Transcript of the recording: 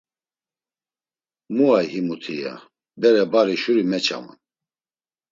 “Mu ay himuti?” ya; “Bere bari, şuri meçaman.”